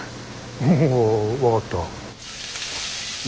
おう分かった。